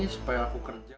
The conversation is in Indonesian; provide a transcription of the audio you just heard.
supaya aku kerja